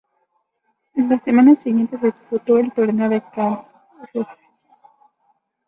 La semana siguiente se disputó el torneo de Karlsruhe.